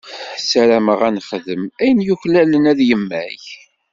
Sarameɣ ad nexdem ayen yuklalen ad yemmag.